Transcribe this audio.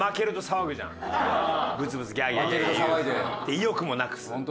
意欲もなくす。